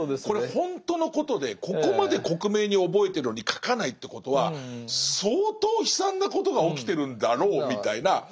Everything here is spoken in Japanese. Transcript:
これほんとのことでここまで克明に覚えてるのに書かないってことは相当悲惨なことが起きてるんだろうみたいな。